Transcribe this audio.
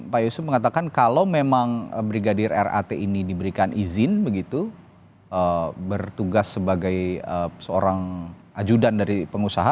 pak yusuf mengatakan kalau memang brigadir rat ini diberikan izin begitu bertugas sebagai seorang ajudan dari pengusaha